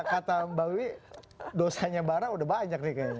kata mbak wi dosanya barra udah banyak nih kayaknya